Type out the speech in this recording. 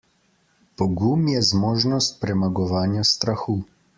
Pogum je zmožnost premagovanja strahu.